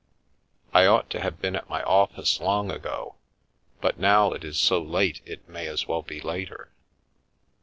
I ought to have been at my office long ago, but now it is so late it may as well be later.